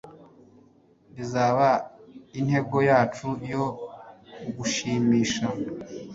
Bizaba intego yacu yo kugushimisha